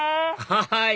はい！